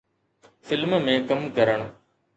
film ۾ ڪم ڪرڻ